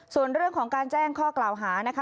ส่วนเรื่องของการแจ้งข้อกล่าวหานะคะ